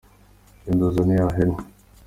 Genda uzane ya hene.